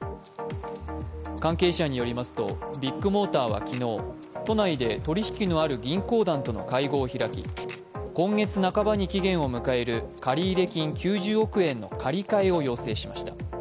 関係者によりますと、ビッグモーターは昨日、都内で取り引きのある銀行団との会合を開き今月半ばに期限を迎える借入金９０億円の借り換えを要請しました。